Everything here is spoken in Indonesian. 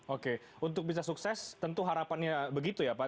oke untuk bisa sukses tentu harapannya begitu ya pak